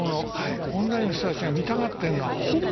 オンラインの人たちが見たがっているのは本物。